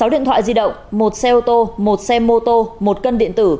sáu điện thoại di động một xe ô tô một xe mô tô một cân điện tử